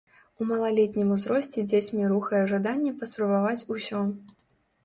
У малалетнім узросце дзецьмі рухае жаданне паспрабаваць усё.